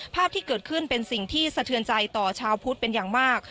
ภาพที่เกิดขึ้นเป็นสิ่งที่สะเทือนใจต่อชาวพุทธเป็นอย่างมาก